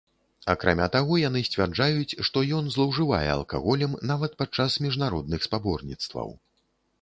Акрамя таго, яны сцвярджаюць, што ён злоўжывае алкаголем нават падчас міжнародных спаборніцтваў.